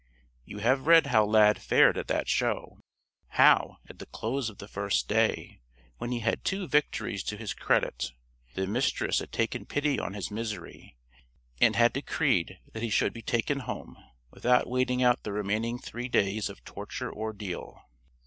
You have read how Lad fared at that show how, at the close of the first day, when he had two victories to his credit, the Mistress had taken pity on his misery and had decreed that he should be taken home, without waiting out the remaining three days of torture ordeal.